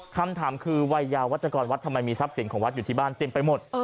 คำถามคือวัยยาวัชกรวัดทำไมมีทรัพย์สินของวัดอยู่ที่บ้านเต็มไปหมด